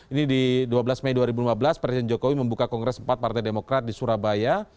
ini di dua belas mei dua ribu lima belas presiden jokowi membuka kongres empat partai demokrat di surabaya